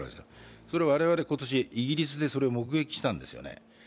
それは我々、イギリスで今年、目撃したんですよね。